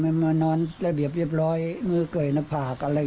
ไม่มานอนปลอดภัยเรียบมือเกยไหนภาคน่าอะไรนี้